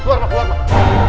keluar pak keluar pak